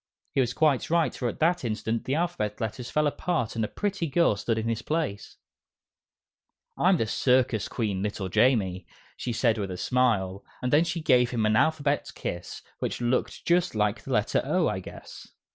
He was quite right, for at that instant the Alphabet Letters fell apart and a pretty girl stood in his place. "I'm the Circus Queen, little Jamie," she said with a smile, and then she gave him an alphabet kiss, which looked just like the letter O, I guess.